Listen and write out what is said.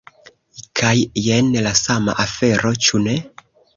Kaj jen la sama afero, ĉu ne?